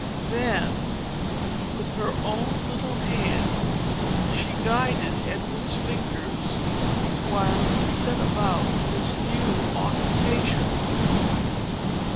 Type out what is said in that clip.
Then, with her own little hands, she guided Edward's fingers, while he set about this new occupation.